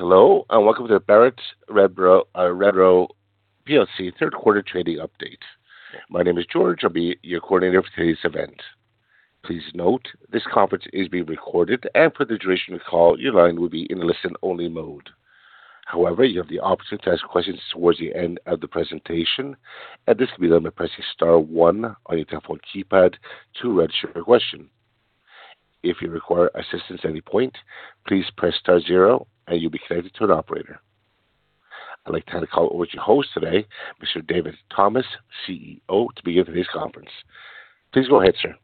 Hello, and welcome to the Barratt Redrow plc Third Quarter Trading Update. My name is George. I'll be your coordinator for today's event. Please note, this conference is being recorded, and for the duration of the call, your line will be in listen-only mode. However, you have the option to ask questions towards the end of the presentation, and this can be done by pressing star one on your telephone keypad to register your question. If you require assistance at any point, please press star zero and you'll be connected to an operator. I'd like to hand the call over to your host today, Mr. David Thomas, CEO, to begin today's conference. Please go ahead, sir.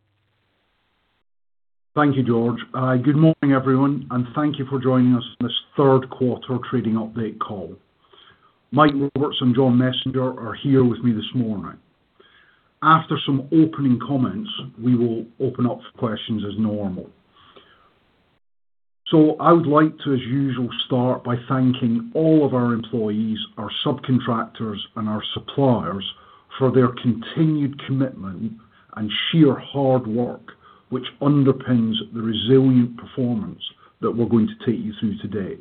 Thank you George. Good morning, everyone, and thank you for joining us on this Third Quarter Trading Update call. Mike Roberts and John Messenger are here with me this morning. After some opening comments, we will open up for questions as normal. I would like to, as usual, start by thanking all of our employees, our subcontractors, and our suppliers for their continued commitment and sheer hard work, which underpins the resilient performance that we're going to take you through today.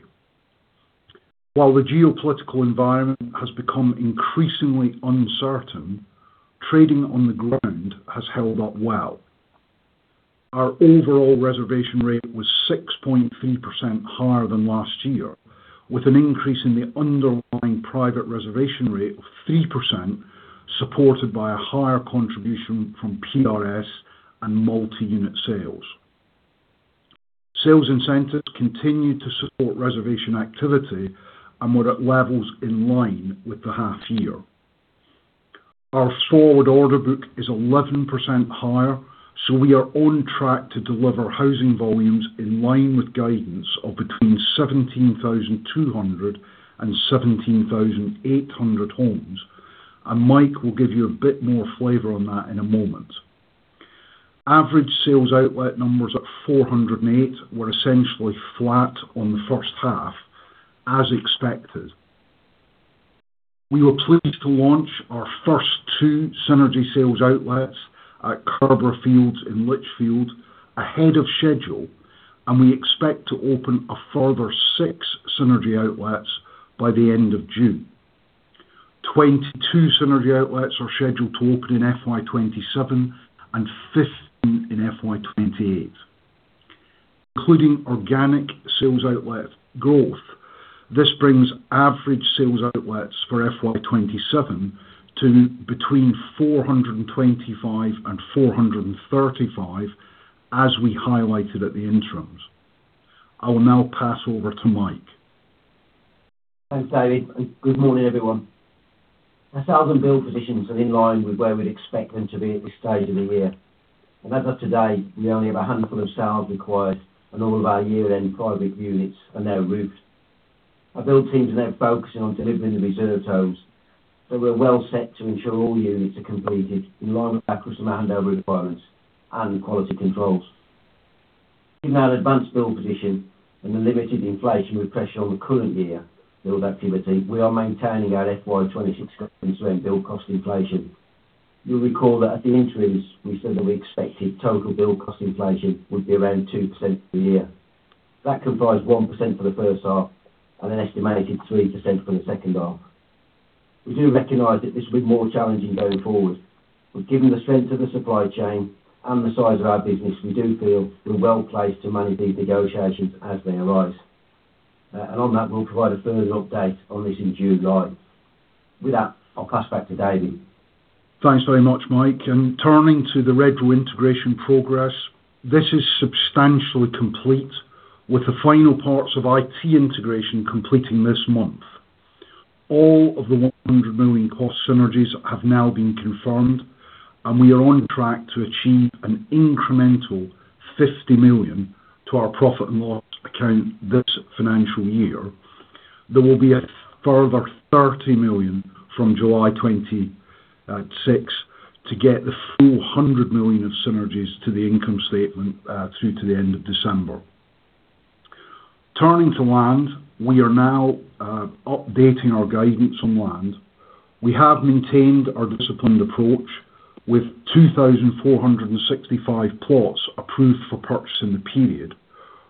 While the geopolitical environment has become increasingly uncertain, trading on the ground has held up well. Our overall reservation rate was 6.3% higher than last year, with an increase in the underlying private reservation rate of 3%, supported by a higher contribution from PRS and multi-unit sales. Sales incentives continued to support reservation activity and were at levels in line with the Half Year. Our forward order book is 11% higher, so we are on track to deliver housing volumes in line with guidance of between 17,200 and 17,800 homes. Mike will give you a bit more flavor on that in a moment. Average sales outlet numbers at 408 were essentially flat on the first half, as expected. We were pleased to launch our first two Synergy sales outlets at Curborough Fields in Lichfield ahead of schedule, and we expect to open a further six Synergy outlets by the end of June. 22 Synergy outlets are scheduled to open in FY 2027 and 15 in FY 2028. Including organic sales outlet growth, this brings average sales outlets for FY 2027 to between 425 and 435 as we highlighted at the interims. I will now pass over to Mike. Thanks David, and good morning, everyone. Our sales and build positions are in line with where we'd expect them to be at this stage of the year. As of today, we only have a handful of sales required and all of our year-end private units are now roofed. Our build teams are now focusing on delivering the reserve homes, so we're well set to ensure all units are completed in line with our customer handover requirements and quality controls. Given our advanced build position and the limited inflationary pressure on the current year build activity, we are maintaining our FY 2026 build cost inflation. You'll recall that at the interims we said that we expected total build cost inflation would be around 2% for the year. That comprised 1% for the first half and an estimated 3% for the second half. We do recognize that this will be more challenging going forward, but given the strength of the supply chain and the size of our business, we do feel we're well-placed to manage these negotiations as they arise. On that, we'll provide a further update on this in July. With that, I'll pass back to David. Thanks very much Mike. Turning to the Redrow integration progress, this is substantially complete, with the final parts of IT integration completing this month. All of the 100 million cost synergies have now been confirmed, and we are on track to achieve an incremental 50 million to our profit and loss account this financial year. There will be a further 30 million from July 2026 to get the full 100 million of synergies to the income statement through to the end of December. Turning to land, we are now updating our guidance on land. We have maintained our disciplined approach with 2,465 plots approved for purchase in the period,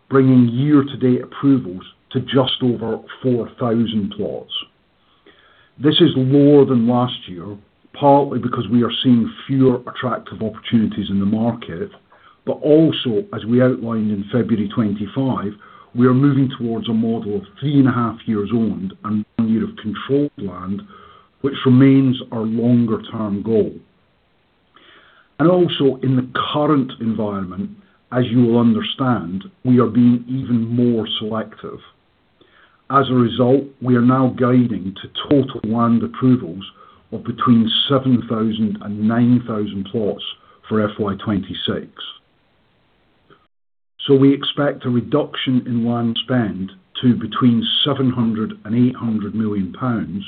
bringing year-to-date approvals to just over 4,000 plots. This is lower than last year, partly because we are seeing fewer attractive opportunities in the market. Also, as we outlined in February 2025, we are moving towards a model of three and a half years owned and one year of controlled land, which remains our longer term goal. Also in the current environment, as you will understand, we are being even more selective. As a result, we are now guiding to total land approvals of between 7,000 and 9,000 plots for FY 2026. We expect a reduction in land spend to between 700 million pounds and 800 million pounds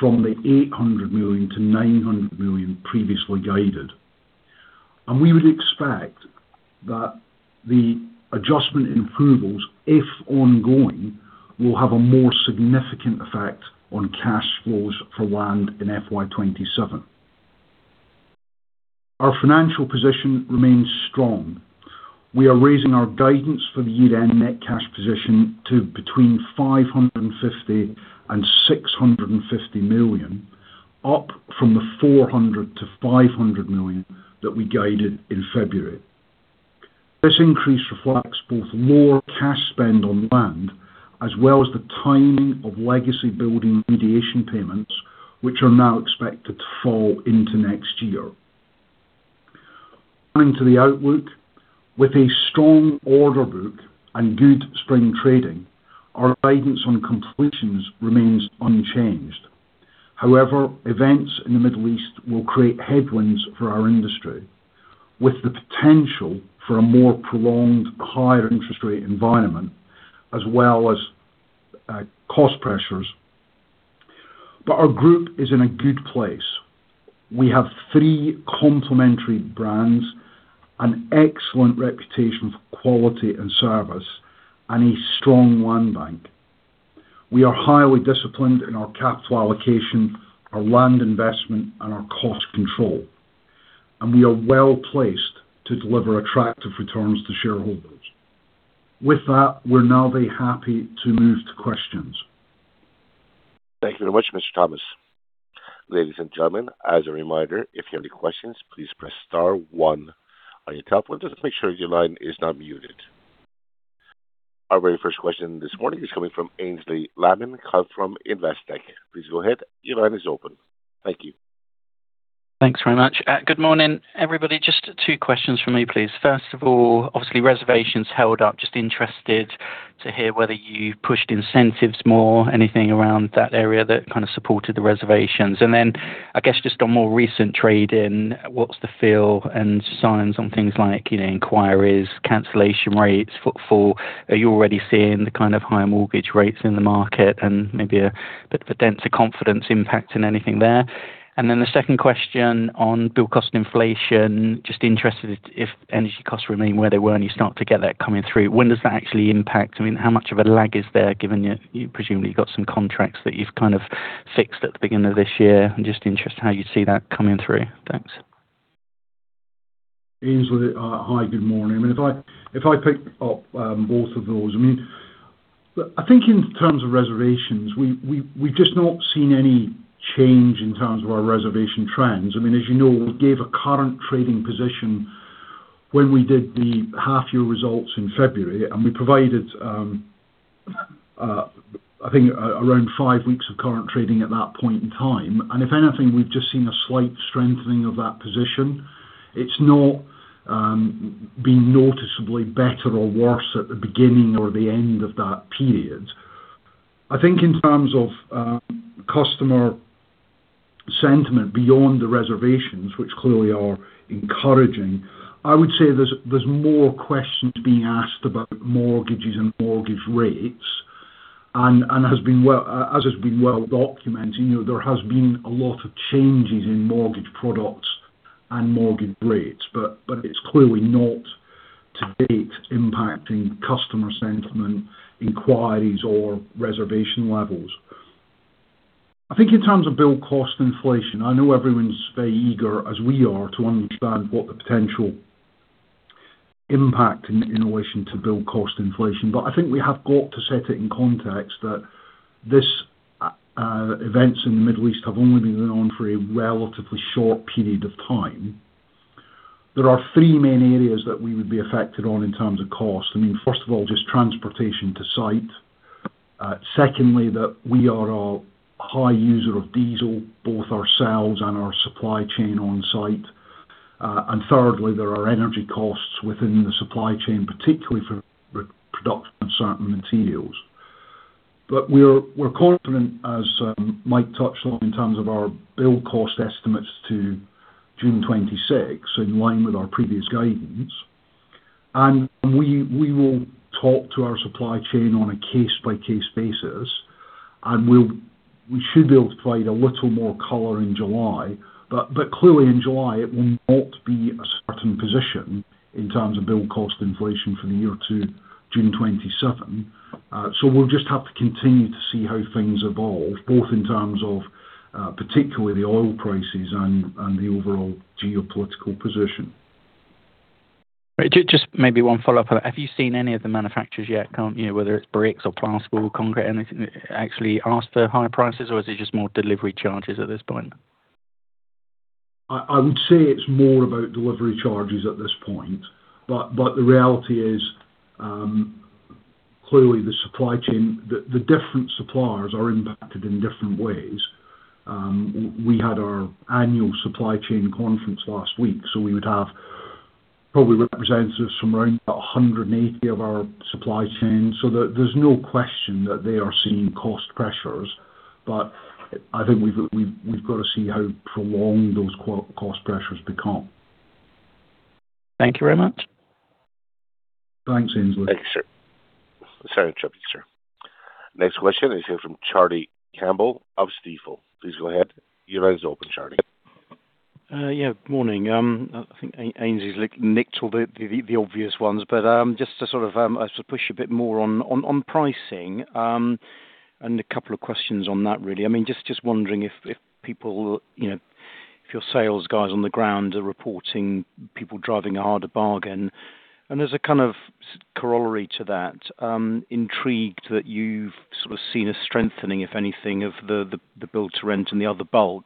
from the 800 million-900 million previously guided. We would expect that the adjustment in approvals, if ongoing, will have a more significant effect on cash flows for land in FY 2027. Our financial position remains strong. We are raising our guidance for the year-end net cash position to between 550 million and 650 million, up from the 400 million-500 million that we guided in February. This increase reflects both more cash spend on land as well as the timing of legacy building mediation payments, which are now expected to fall into next year. Coming to the outlook, with a strong order book and good spring trading, our guidance on completions remains unchanged. However, events in the Middle East will create headwinds for our industry, with the potential for a more prolonged higher interest rate environment as well as cost pressures. Our Group is in a good place. We have three complementary brands, an excellent reputation for quality and service, and a strong land bank. We are highly disciplined in our capital allocation, our land investment, and our cost control, and we are well placed to deliver attractive returns to shareholders. With that, we're now very happy to move to questions. Thank you very much, Mr. Thomas. Ladies and gentlemen, as a reminder, if you have any questions, please press star one on your telephone. Just make sure your line is not muted. Our very first question this morning is coming from Aynsley Lammin from Investec. Please go ahead. Your line is open. Thank you. Thanks very much. Good morning everybody. Just two questions from me, please. First of all, obviously, reservations held up. Just interested to hear whether you pushed incentives more, anything around that area that kind of supported the reservations. I guess just on more recent trading, what's the feel and signs on things like inquiries, cancellation rates, footfall? Are you already seeing the kind of higher mortgage rates in the market and maybe a bit of a dent to confidence impact in anything there? The second question on build cost inflation. Just interested if energy costs remain where they were and you start to get that coming through. When does that actually impact? How much of a lag is there given you presumably got some contracts that you've kind of fixed at the beginning of this year? I'm just interested how you see that coming through. Thanks. Aynsley, hi, good morning. If I pick up both of those, I think in terms of reservations, we've just not seen any change in terms of our reservation trends. As you know, we gave a current trading position when we did the half-year results in February, and we provided, I think, around five weeks of current trading at that point in time. If anything, we've just seen a slight strengthening of that position. It's not been noticeably better or worse at the beginning or the end of that period. I think in terms of customer sentiment beyond the reservations, which clearly are encouraging, I would say there's more questions being asked about mortgages and mortgage rates. As has been well documented, there has been a lot of changes in mortgage products and mortgage rates, but it's clearly not to date impacting customer sentiment, inquiries, or reservation levels. I think in terms of build cost inflation, I know everyone's very eager, as we are, to understand what the potential impact in relation to build cost inflation. I think we have got to set it in context that these events in the Middle East have only been going on for a relatively short period of time. There are three main areas that we would be affected on in terms of cost. First of all, just transportation to site. Secondly, that we are a high user of diesel, both ourselves and our supply chain on site. Thirdly, there are energy costs within the supply chain, particularly for production of certain materials. We're confident, as Mike touched on, in terms of our build cost estimates to June 2026, in line with our previous guidance. We will talk to our supply chain on a case-by-case basis. We should be able to provide a little more color in July. Clearly in July, it will not be a certain position in terms of build cost inflation for the year to June 2027. We'll just have to continue to see how things evolve, both in terms of particularly the oil prices and the overall geopolitical position. Just maybe one follow-up. Have you seen any of the manufacturers yet, whether it's bricks or plasterboard, concrete, anything actually ask for higher prices, or is it just more delivery charges at this point? I would say it's more about delivery charges at this point, but the reality is, clearly the supply chain, the different suppliers are impacted in different ways. We had our annual supply chain conference last week, so we would have probably representatives from around about 180 of our supply chain. There's no question that they are seeing cost pressures, but I think we've got to see how prolonged those cost pressures become. Thank you very much. Thanks, Aynsley. Thank you, sir. Sorry to interrupt you, sir. Next question is here from Charlie Campbell of Stifel. Please go ahead. Your line is open, Charlie. Yeah, good morning. I think Aynsley's nicked all the obvious ones, but just to sort of push a bit more on pricing and a couple of questions on that, really. Just wondering if your sales guys on the ground are reporting people driving a harder bargain? As a kind of corollary to that, I'm intrigued that you've sort of seen a strengthening, if anything, of the build-to-rent and the other bulk,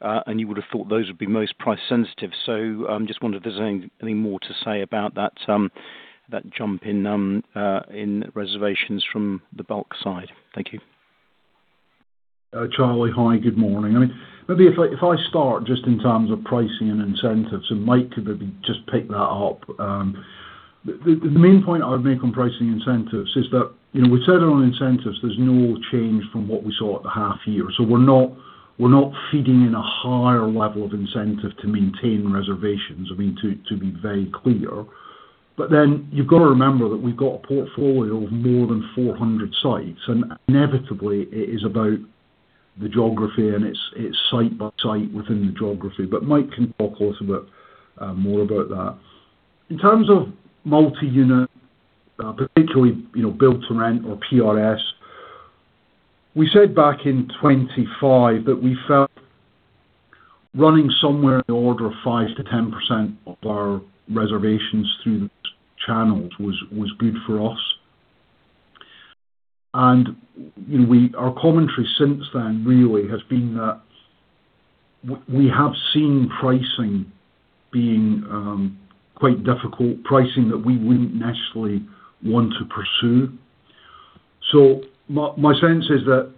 and you would have thought those would be most price sensitive. Just wondered if there's any more to say about that jump in reservations from the bulk side. Thank you. Charlie, hi good morning. Maybe if I start just in terms of pricing and incentives, and Mike could maybe just pick that up. The main point I would make on pricing incentives is that, we said on incentives, there's no change from what we saw at the half year. We're not feeding in a higher level of incentive to maintain reservations. I mean, to be very clear. You've got to remember that we've got a portfolio of more than 400 sites, and inevitably it is about the geography and it's site by site within the geography. Mike can talk a little bit more about that. In terms of multi-unit, particularly, build-to-rent or PRS, we said back in 2025 that we felt running somewhere in the order of 5%-10% of our reservations through those channels was good for us. Our commentary since then really has been that we have seen pricing being quite difficult, pricing that we wouldn't necessarily want to pursue. My sense is that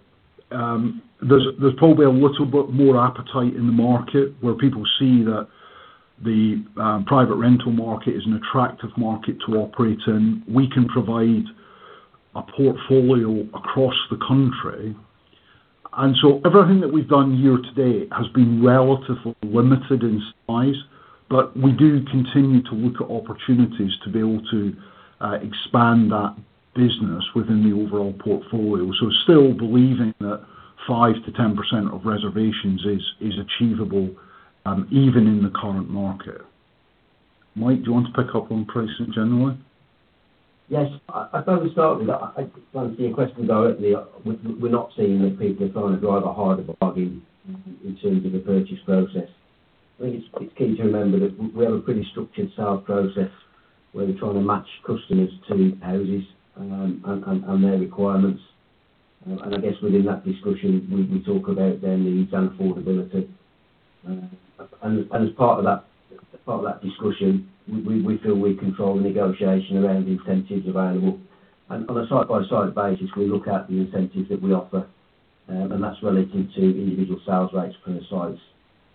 there's probably a little bit more appetite in the market where people see that the private rental market is an attractive market to operate in. We can provide a portfolio across the country. Everything that we've done year to date has been relatively limited in size, but we do continue to look at opportunities to be able to expand that business within the overall portfolio, still believing that 5%-10% of reservations is achievable, even in the current market. Mike, do you want to pick up on pricing generally? Yes. I probably start with that. I can answer your question directly. We're not seeing that people are trying to drive a harder bargain in terms of the purchase process. I think it's key to remember that we have a pretty structured sale process where we're trying to match customers to houses and their requirements. I guess within that discussion, we talk about then the unaffordability. As part of that discussion, we feel we control the negotiation around the incentives available. On a site-by-site basis, we look at the incentives that we offer, and that's related to individual sales rates per the sites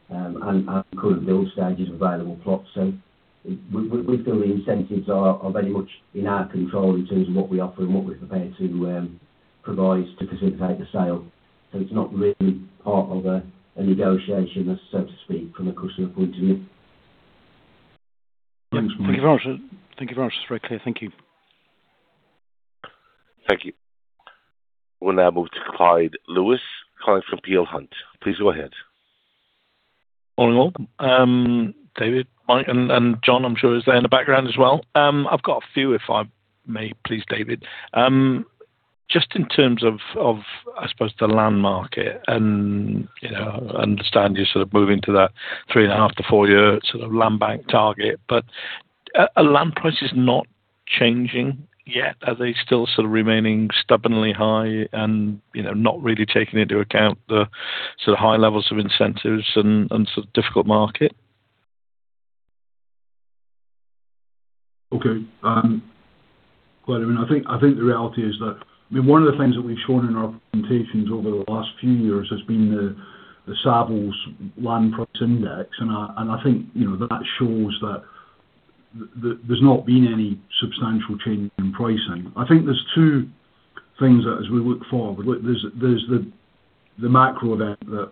and our current build stages available plots. We feel the incentives are very much in our control in terms of what we offer and what we're prepared to provide to facilitate the sale. It's not really part of a negotiation, so to speak, from a customer point of view. Thank you very much. It's very clear. Thank you. Thank you. We'll now move to Clyde Lewis calling from Peel Hunt. Please go ahead. Morning all. David, Mike, and John, I'm sure, is there in the background as well. I've got a few, if I may please, David. Just in terms of, I suppose, the land market, and I understand you're sort of moving to that 3.5-year-four-year land bank target, are land prices not changing yet? Are they still sort of remaining stubbornly high and not really taking into account the high levels of incentives and difficult market? Okay. Clyde, I think the reality is that one of the things that we've shown in our presentations over the last few years has been the Savills Development Land Index, and I think that shows that there's not been any substantial change in pricing. I think there's two things as we look forward. There's the macro event that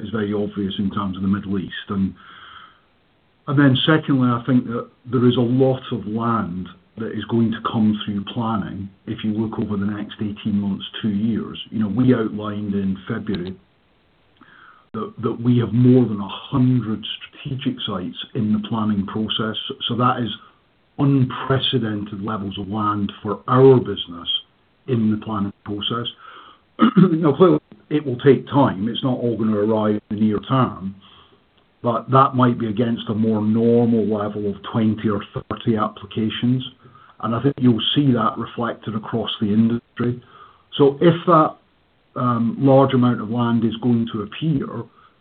is very obvious in terms of the Middle East. Secondly, I think that there is a lot of land that is going to come through planning if you look over the next 18 months, two years. We outlined in February that we have more than 100 strategic sites in the planning process. That is unprecedented levels of land for our business in the planning process. Now clearly it will take time. It's not all going to arrive in the near term, but that might be against a more normal level of 20 or 30 applications. I think you'll see that reflected across the industry. If that large amount of land is going to appear,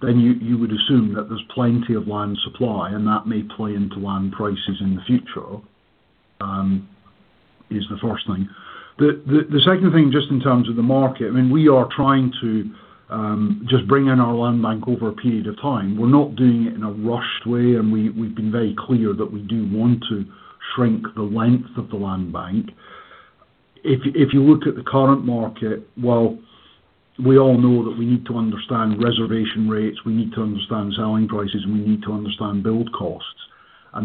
then you would assume that there's plenty of land supply and that may play into land prices in the future, is the first thing. The second thing, just in terms of the market, we are trying to just bring in our land bank over a period of time. We're not doing it in a rushed way, and we've been very clear that we do want to shrink the length of the land bank. If you look at the current market, while we all know that we need to understand reservation rates, we need to understand selling prices, and we need to understand build costs.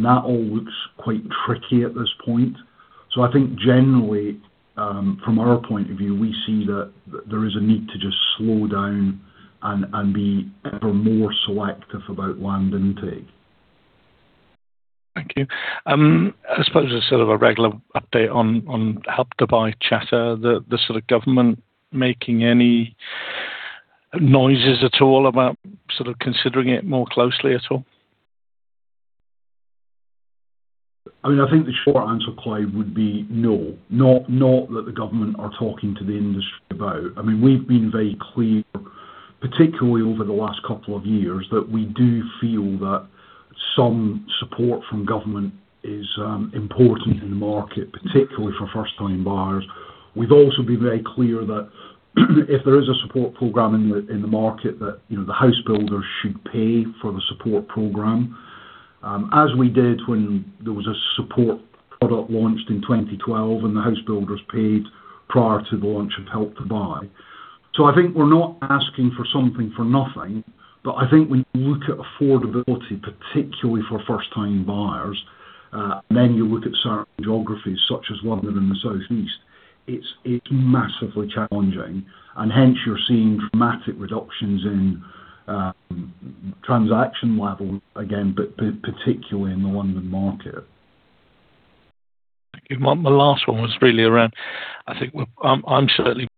That all looks quite tricky at this point. I think generally, from our point of view, we see that there is a need to just slow down and be ever more selective about land intake. Thank you. I suppose as a regular update on Help to Buy chatter, the government making any noises at all about considering it more closely at all? I think the short answer, Clyde, would be no, not that the government are talking to the industry about. We've been very clear, particularly over the last couple of years, that we do feel that some support from government is important in the market, particularly for first-time buyers. We've also been very clear that if there is a support program in the market that the housebuilders should pay for the support program, as we did when there was a support product launched in 2012, and the housebuilders paid prior to the launch of Help to Buy. I think we're not asking for something for nothing, but I think when you look at affordability, particularly for first-time buyers, and then you look at certain geographies such as London and the South East, it's massively challenging. Hence, you're seeing dramatic reductions in transaction level again, but particularly in the London market. Thank you. My last one was really around. I'm certainly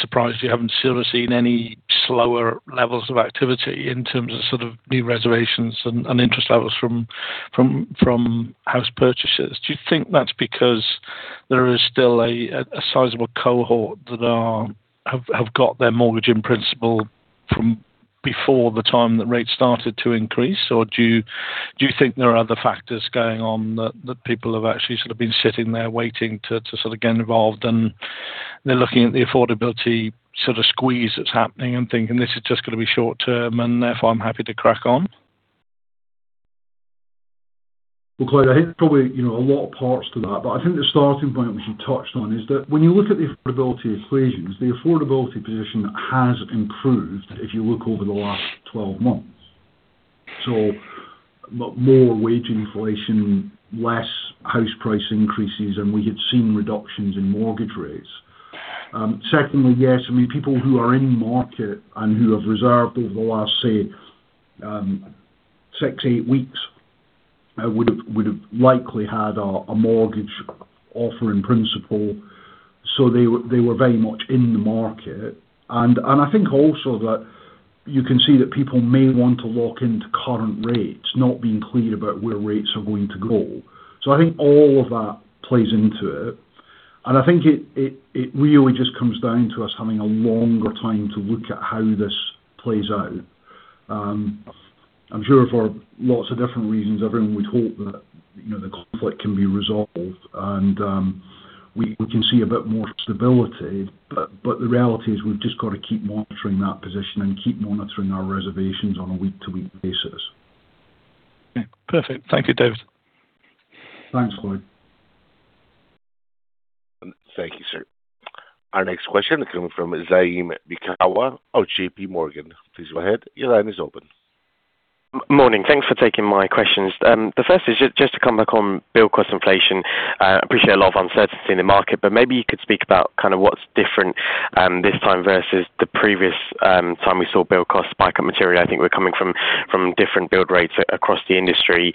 surprised you haven't seen any slower levels of activity in terms of new reservations and interest levels from house purchasers. Do you think that's because there is still a sizable cohort that have got their mortgage in principle from before the time that rates started to increase? Do you think there are other factors going on that people have actually sort of been sitting there waiting to get involved and they're looking at the affordability squeeze that's happening and thinking this is just going to be short term and therefore I'm happy to crack on? Well, Clyde, I think probably a lot of parts to that, but I think the starting point, which you touched on, is that when you look at the affordability equations, the affordability position has improved if you look over the last 12 months, more wage inflation, less house price increases, and we had seen reductions in mortgage rates. Secondly, yes, people who are in-market and who have reserved over the last, say, six-eight weeks would've likely had a mortgage offer in principle. They were very much in the market. I think also that you can see that people may want to lock into current rates, not being clear about where rates are going to go. I think all of that plays into it. I think it really just comes down to us having a longer time to look at how this plays out. I'm sure for lots of different reasons, everyone would hope that the conflict can be resolved and we can see a bit more stability. The reality is we've just got to keep monitoring that position and keep monitoring our reservations on a week-to-week basis. Okay, perfect. Thank you, David. Thanks, Clyde. Thank you, sir. Our next question coming from Zaim Beekawa of JPMorgan. Please go ahead. Your line is open. Morning. Thanks for taking my questions. The first is just to come back on build cost inflation. I appreciate a lot of uncertainty in the market, but maybe you could speak about what's different this time versus the previous time we saw build cost spike of material. I think we're coming from different build rates across the industry.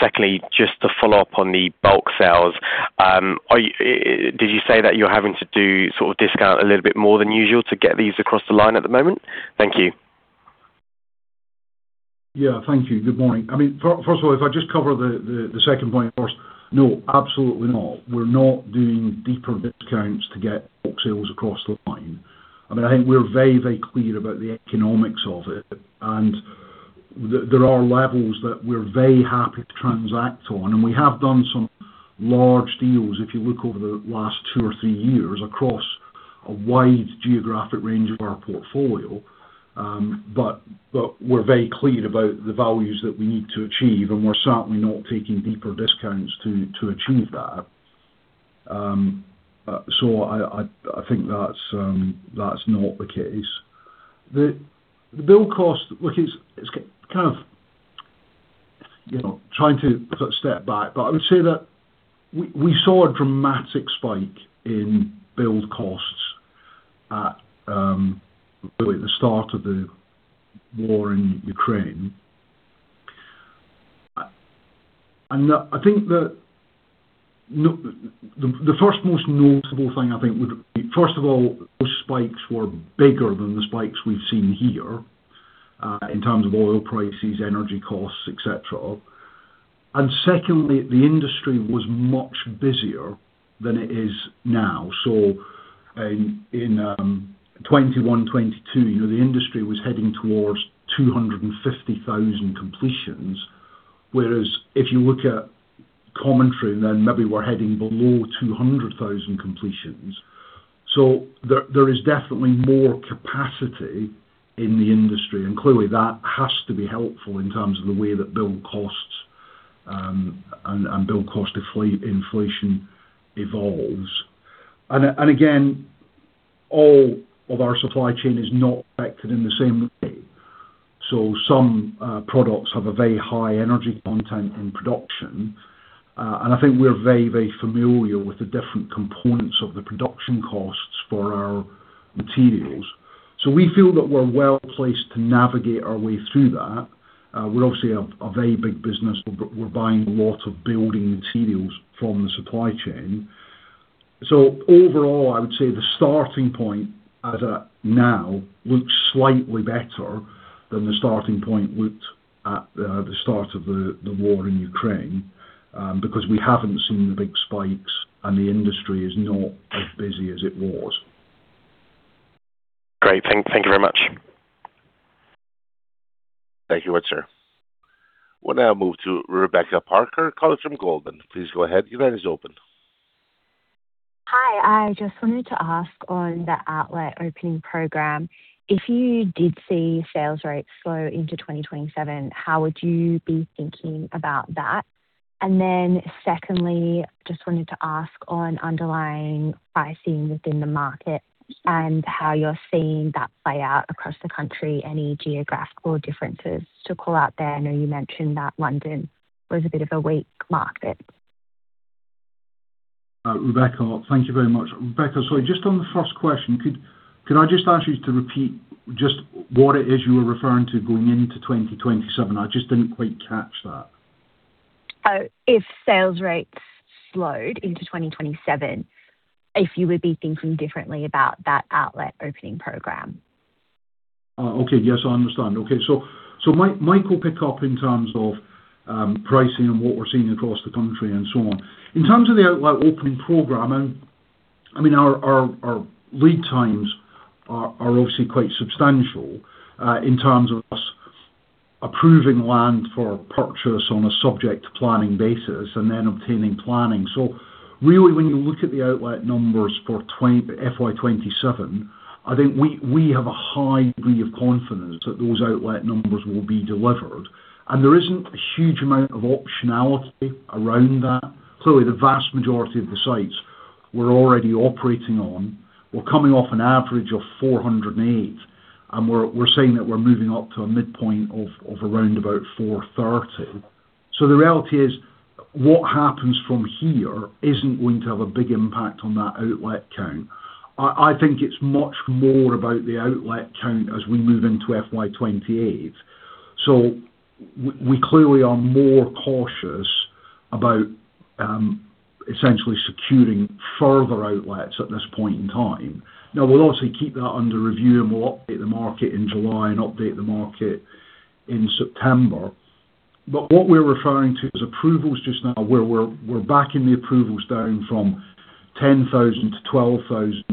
Secondly, just to follow up on the bulk sales, did you say that you're having to do sort of discount a little bit more than usual to get these across the line at the moment? Thank you. Yeah. Thank you. Good morning. First of all, if I just cover the second point first. No, absolutely not. We're not doing deeper discounts to get bulk sales across the line. I think we're very clear about the economics of it, and there are levels that we're very happy to transact on, and we have done some large deals, if you look over the last two or three years, across a wide geographic range of our portfolio. We're very clear about the values that we need to achieve, and we're certainly not taking deeper discounts to achieve that. I think that's not the case. The build cost, look, it's kind of trying to step back. I would say that we saw a dramatic spike in build costs at the start of the war in Ukraine. I think that the first most notable thing I think would be, first of all, those spikes were bigger than the spikes we've seen here, in terms of oil prices, energy costs, et cetera. Secondly, the industry was much busier than it is now. In 2021-2022, the industry was heading towards 250,000 completions, whereas if you look at commentary then, maybe we're heading below 200,000 completions. There is definitely more capacity in the industry. Clearly that has to be helpful in terms of the way that build costs and build cost inflation evolves. Again, all of our supply chain is not affected in the same way. Some products have a very high energy content in production. I think we're very familiar with the different components of the production costs for our materials. We feel that we're well-placed to navigate our way through that. We're obviously a very big business. We're buying a lot of building materials from the supply chain. Overall, I would say the starting point as at now looks slightly better than the starting point looked at the start of the war in Ukraine, because we haven't seen the big spikes and the industry is not as busy as it was. Great. Thank you very much. Thank you, Beekawa. We'll now move to Rebecca Parker, calling from Goldman Sachs. Please go ahead. Your line is open. Hi. I just wanted to ask on the outlet opening program, if you did see sales rates slow into 2027, how would you be thinking about that? Secondly, just wanted to ask on underlying pricing within the market and how you're seeing that play out across the country, any geographical differences to call out there? I know you mentioned that London was a bit of a weak market. Rebecca, thank you very much. Rebecca, sorry, just on the first question, could I just ask you to repeat just what it is you were referring to going into 2027? I just didn't quite catch that. If sales rates slowed into 2027, if you would be thinking differently about that outlet opening program? Okay. Yes, I understand. Okay. Mike will pick up in terms of pricing and what we're seeing across the country and so on. In terms of the outlet opening program, our lead times are obviously quite substantial, in terms of us approving land for purchase on a subject to planning basis and then obtaining planning. Really, when you look at the outlet numbers for FY 2027, I think we have a high degree of confidence that those outlet numbers will be delivered. There isn't a huge amount of optionality around that. Clearly, the vast majority of the sites we're already operating on, we're coming off an average of 408, and we're saying that we're moving up to a midpoint of around about 430. The reality is, what happens from here isn't going to have a big impact on that outlet count. I think it's much more about the outlet count as we move into FY 2028. We clearly are more cautious about essentially securing further outlets at this point in time. Now, we'll obviously keep that under review, and we'll update the market in July and update the market in September. What we're referring to is approvals just now, where we're backing the approvals down from 10,000-12,000,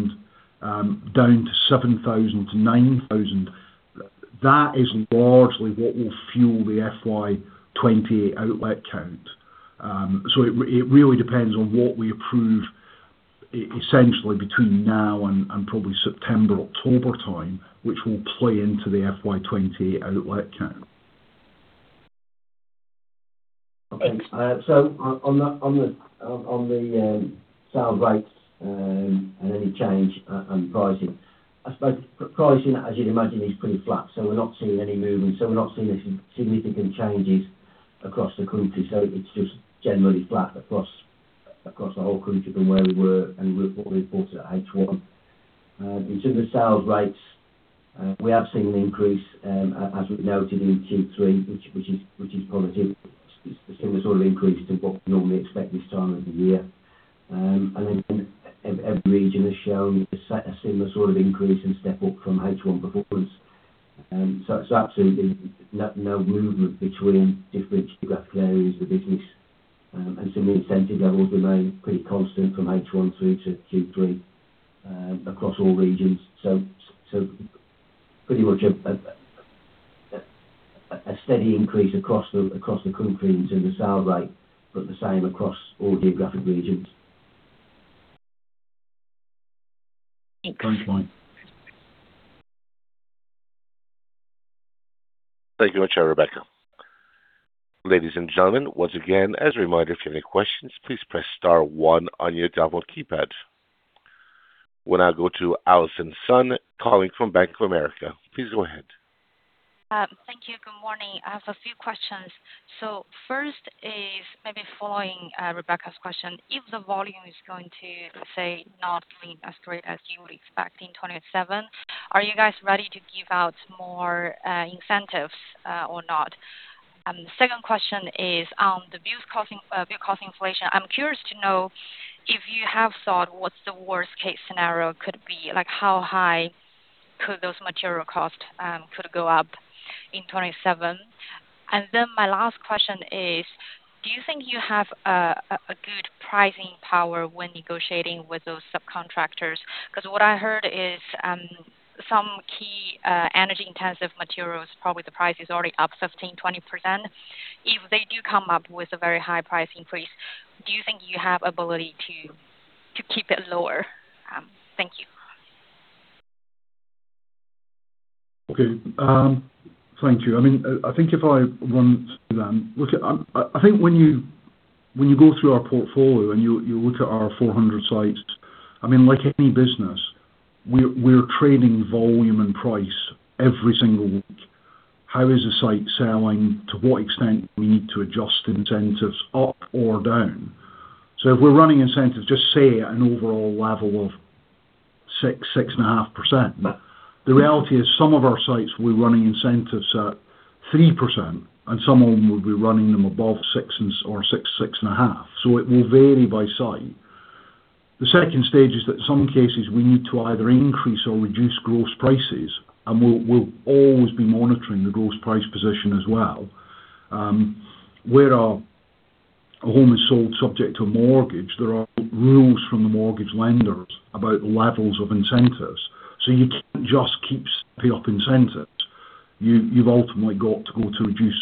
down to 7,000-9,000. That is largely what will fuel the FY 2028 outlet count. It really depends on what we approve essentially between now and probably September, October time, which will play into the FY 2028 outlet count. Thanks. On the sales rates, and any change, and pricing, I suppose pricing, as you'd imagine, is pretty flat. We're not seeing any movement. We're not seeing any significant changes across the country. It's just generally flat across the whole country from where we were and what we reported at H1. In terms of sales rates, we have seen an increase, as we've noted in Q3, which is positive, a similar sort of increase to what we normally expect this time of the year. Again, every region has shown a similar sort of increase and step up from H1 performance. It's absolutely no movement between different geographical areas of the business. Certainly incentive levels remain pretty constant from H1 through to Q3 across all regions. Pretty much a steady increase across the country in terms of sales rate, but the same across all geographic regions. Thanks, Mike. Thank you, Rebecca. Ladies and gentlemen, once again, as a reminder, if you have any questions, please press star one on your dial pad. We'll now go to Allison Sun calling from Bank of America. Please go ahead. Thank you. Good morning. I have a few questions. First is maybe following Rebecca's question. If the volume is going to, let's say, not doing as great as you were expecting in 2027, are you guys ready to give out more incentives or not? The second question is on the build cost inflation. I'm curious to know if you have thought what the worst case scenario could be? How high could those material costs could go up in 2027? My last question is, do you think you have a good pricing power when negotiating with those subcontractors? Because what I heard is, some key energy-intensive materials, probably the price is already up 15%-20%. If they do come up with a very high price increase, do you think you have ability to keep it lower? Thank you. Okay. Thank you. I think if I run through them. I think when you go through our portfolio and you look at our 400 sites, like any business, we're trading volume and price every single week. How is the site selling? To what extent do we need to adjust incentives up or down? If we're running incentives, just say at an overall level of 6%, 6.5%. The reality is some of our sites, we're running incentives at 3%, and some of them will be running them above 6%, 6.5%. It will vary by site. The second stage is that some cases we need to either increase or reduce gross prices, and we'll always be monitoring the gross price position as well. Where a home is sold subject to a mortgage, there are rules from the mortgage lenders about the levels of incentives. You can't just keep stepping up incentives. You've ultimately got to go to reduce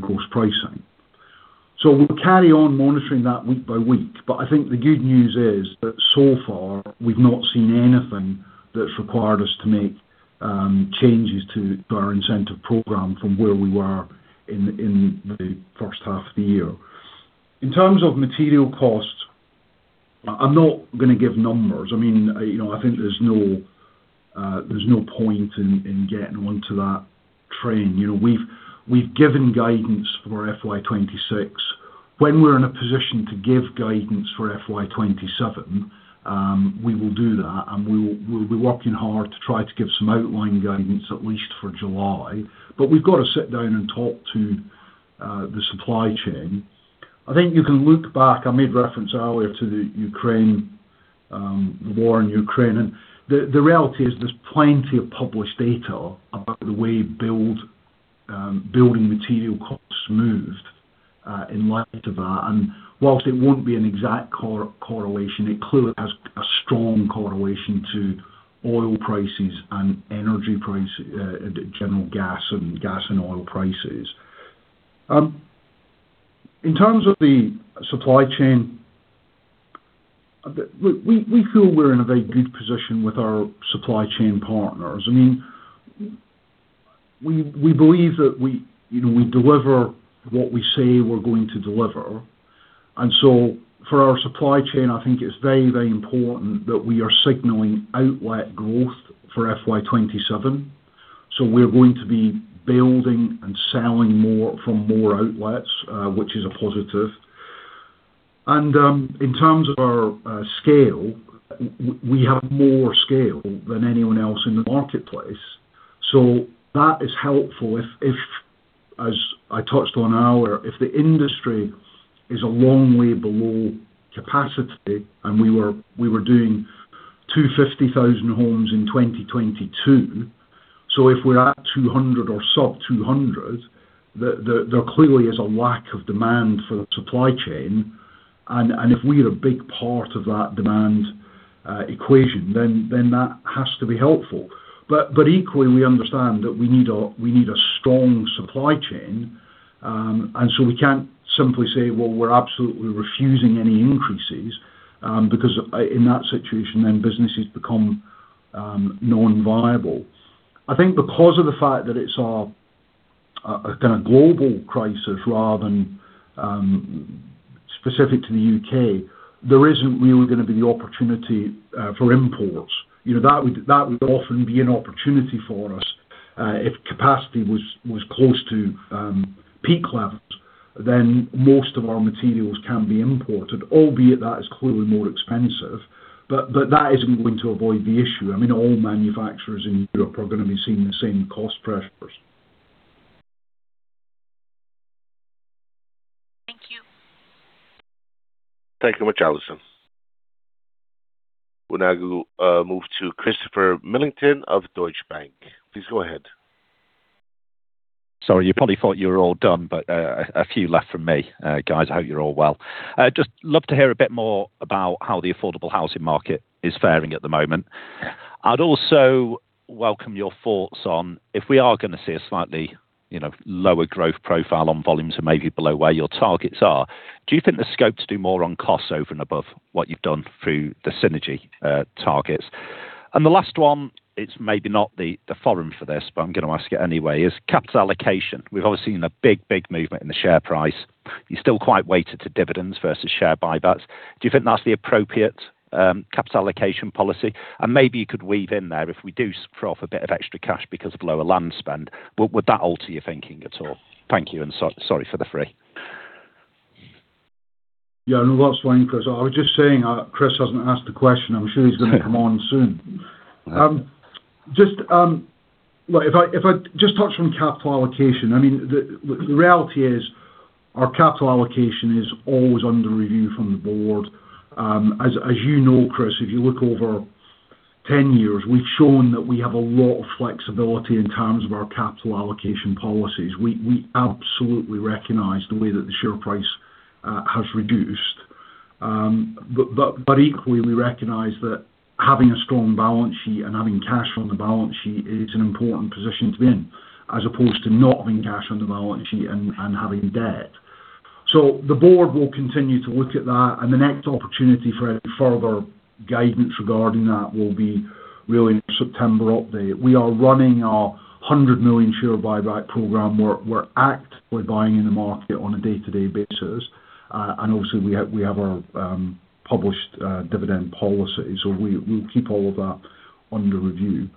gross pricing. We'll carry on monitoring that week by week. I think the good news is that so far, we've not seen anything that's required us to make changes to our incentive program from where we were in the first half of the year. In terms of material costs, I'm not going to give numbers. I think there's no point in getting onto that train. We've given guidance for FY 2026. When we're in a position to give guidance for FY 2027, we will do that, and we're working hard to try to give some outline guidance, at least for July. We've got to sit down and talk to the supply chain. I think you can look back. I made reference earlier to the war in Ukraine, and the reality is there's plenty of published data about the way building material costs moved in light of that. Whilst it won't be an exact correlation, it clearly has a strong correlation to oil prices and energy prices, general gas and oil prices. In terms of the supply chain, we feel we're in a very good position with our supply chain partners. We believe that we deliver what we say we're going to deliver. For our supply chain, I think it's very, very important that we are signaling outlet growth for FY 2027. We're going to be building and selling more from more outlets, which is a positive. In terms of our scale, we have more scale than anyone else in the marketplace. That is helpful. As I touched on earlier, if the industry is a long way below capacity, and we were doing 250,000 homes in 2022, if we're at 200 or sub 200, there clearly is a lack of demand for the supply chain, and if we are a big part of that demand equation, then that has to be helpful. Equally, we understand that we need a strong supply chain. We can't simply say, well, we're absolutely refusing any increases, because in that situation, then businesses become non-viable. I think because of the fact that it's a kind of global crisis rather than specific to the UK, there isn't really going to be the opportunity for imports. That would often be an opportunity for us. If capacity was close to peak levels, then most of our materials can be imported, albeit that is clearly more expensive. That isn't going to avoid the issue. All manufacturers in Europe are going to be seeing the same cost pressures. Thank you. Thank you much, Allison. We'll now move to Chris Millington of Deutsche Bank. Please go ahead. Sorry, you probably thought you were all done, but a few left from me. Guys, I hope you're all well. Just love to hear a bit more about how the affordable housing market is faring at the moment. I'd also welcome your thoughts on if we are going to see a slightly lower growth profile on volumes and maybe below where your targets are. Do you think there's scope to do more on costs over and above what you've done through the Synergy targets? The last one, it's maybe not the forum for this, but I'm going to ask it anyway, is capital allocation. We've obviously seen a big movement in the share price. You're still quite weighted to dividends versus share buybacks. Do you think that's the appropriate capital allocation policy? Maybe you could weave in there, if we do throw off a bit of extra cash because of lower land spend, would that alter your thinking at all? Thank you, and sorry for the three. Yeah, no that's fine Chris. I was just saying Chris hasn't asked a question. I'm sure he's going to come on soon. If I just touch on capital allocation, the reality is our capital allocation is always under review from the Board. As you know, Chris, if you look over 10 years, we've shown that we have a lot of flexibility in terms of our capital allocation policies. We absolutely recognize the way that the share price has reduced. Equally, we recognize that having a strong balance sheet and having cash on the balance sheet is an important position to be in, as opposed to not having cash on the balance sheet and having debt. The Board will continue to look at that, and the next opportunity for any further guidance regarding that will be really in our September update. We are running our 100 million share buyback program. We're actively buying in the market on a day-to-day basis. Obviously we have our published dividend policy. We'll keep all of that under review.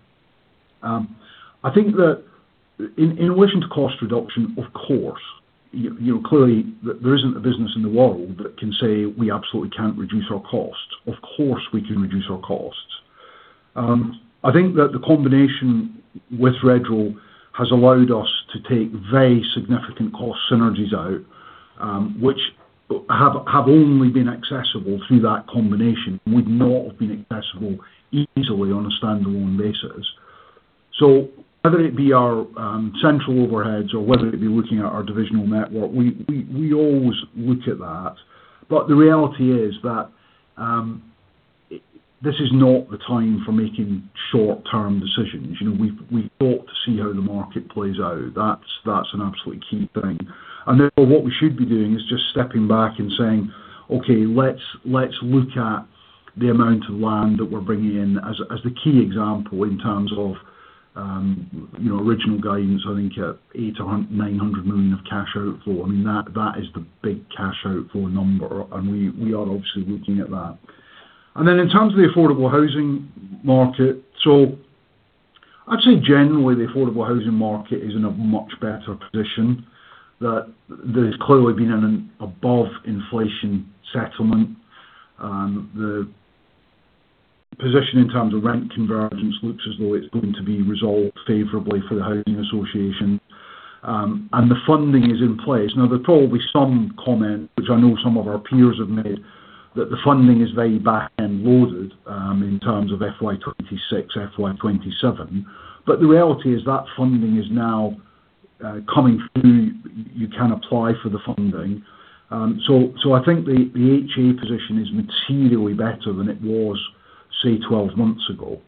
I think that in relation to cost reduction, of course, clearly there isn't a business in the world that can say we absolutely can't reduce our costs. Of course, we can reduce our costs. I think that the combination with Redrow has allowed us to take very significant cost synergies out, which have only been accessible through that combination, would not have been accessible easily on a standalone basis. Whether it be our central overheads or whether it be looking at our divisional network, we always look at that. The reality is that this is not the time for making short-term decisions. We've got to see how the market plays out. That's an absolutely key thing. Therefore, what we should be doing is just stepping back and saying, "Okay, let's look at the amount of land that we're bringing in," as the key example in terms of original guidance, I think at 800 million-900 million of cash outflow. That is the big cash outflow number, and we are obviously looking at that. In terms of the affordable housing market, I'd say generally, the affordable housing market is in a much better position, that there's clearly been an above-inflation settlement. The position in terms of rent convergence looks as though it's going to be resolved favorably for the housing association. The funding is in place. Now, there are probably some comment, which I know some of our peers have made, that the funding is very back-end loaded, in terms of FY 2026, FY 2027. The reality is that funding is now coming through. You can apply for the funding. I think the HE position is materially better than it was, say, 12 months ago.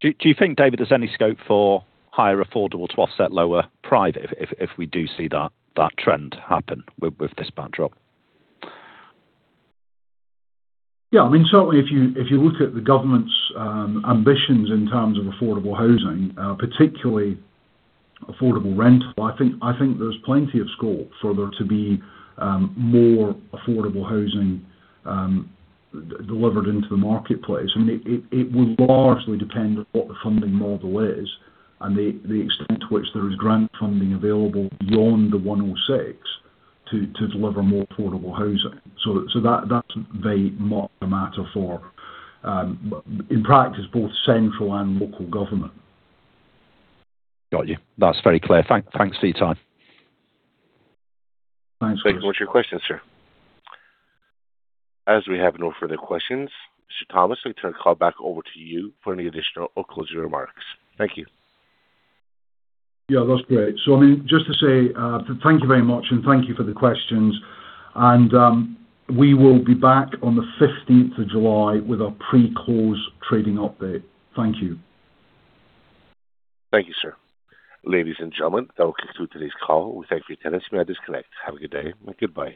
Do you think, David, there's any scope for higher affordable to offset lower private if we do see that trend happen with this backdrop? Yeah. Certainly if you look at the government's ambitions in terms of affordable housing, particularly affordable rental, I think there's plenty of scope for there to be more affordable housing delivered into the marketplace. It will largely depend on what the funding model is and the extent to which there is grant funding available beyond the 106 to deliver more affordable housing. That's very much a matter for, in practice, both central and local government. Got you. That's very clear. Thanks for your time. Thanks. Thank you very much for your questions, sir. As we have no further questions, David Thomas, I turn the call back over to you for any additional or closing remarks. Thank you. Yeah, that's great. Just to say, thank you very much, and thank you for the questions. We will be back on the 15th of July with our pre-close trading update. Thank you. Thank you, sir. Ladies and gentlemen, that will conclude today's call. We thank you for attending. You may disconnect. Have a good day. Goodbye.